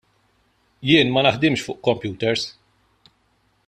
Jien ma naħdimx fuq computers.